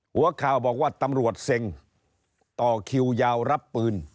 หัวข่าวบอกว่าตำรวจเซ็งต่อคิวยาวรับปืน